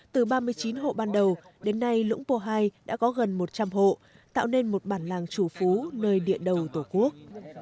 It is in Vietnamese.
từ ba mươi chín hộ ban đầu đến nay lũng pô hai đã có gần một trăm linh hộ tạo nên một bản làng chủ phú nơi địa đầu tổ quốc